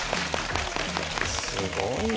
すごいね。